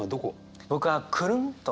僕は「くるんと」。